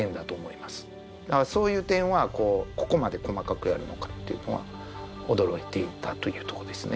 だからそういう点はここまで細かくやるのかというのは驚いていたというとこですね。